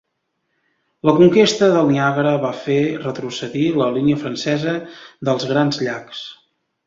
La conquesta del Niàgara va fer retrocedir la línia francesa dels Grans Llacs.